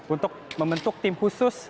untuk membentuk tim khusus